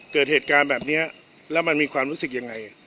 เกิดเหตุการณ์แบบนี้แล้วมันมีความรู้สึกยังไง